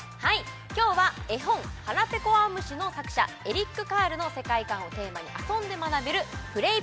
今日は絵本「はらぺこあおむし」の作者エリック・カールの世界観をテーマに遊んで学べるＰＬＡＹ！